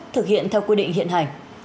thực hiện theo quy định hiện hành